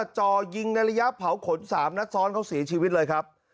จ่อยิงในระยะเผาขน๓นัดซ้อนเขาเสียชีวิตเลยครับ